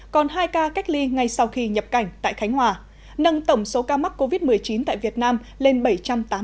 còn hai ca cách ly ngay sau khi nhập cảnh tại khánh hòa nâng tổng số ca mắc covid một mươi chín tại việt nam lên bảy trăm tám mươi ca